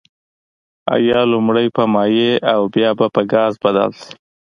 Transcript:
آیا لومړی په مایع او بیا به په ګاز بدل شي؟